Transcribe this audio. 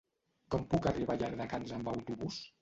Com puc arribar a Llardecans amb autobús?